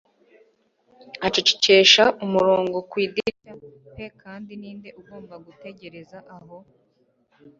Acecekesha umurongo ku idirishya pe kandi ninde ugomba gutegereza aho